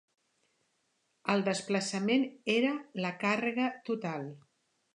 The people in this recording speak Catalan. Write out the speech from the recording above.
El desplaçament era la càrrega total.